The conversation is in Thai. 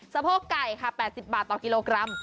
สะโพกไก่ค่ะ๘๐บาทต่อกิโลกรัม